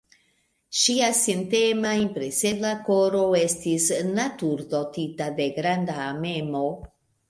Ŝia sentema, impresebla koro estis naturdotita de granda amemo.